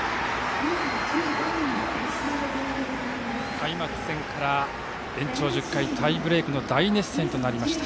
開幕戦から延長１０回タイブレークの大熱戦となりました。